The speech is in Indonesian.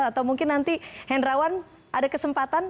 atau mungkin nanti hendrawan ada kesempatan